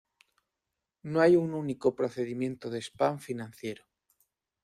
No hay un único procedimiento de spam financiero.